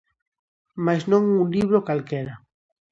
Mais non un libro calquera.